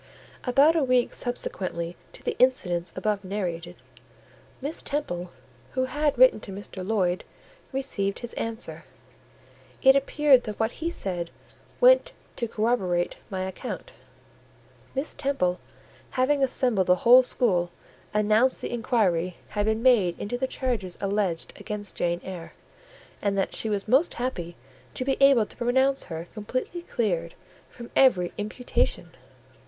About a week subsequently to the incidents above narrated, Miss Temple, who had written to Mr. Lloyd, received his answer: it appeared that what he said went to corroborate my account. Miss Temple, having assembled the whole school, announced that inquiry had been made into the charges alleged against Jane Eyre, and that she was most happy to be able to pronounce her completely cleared from every imputation.